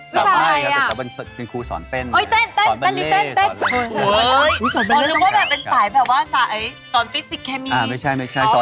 คือเป็นสายวิชา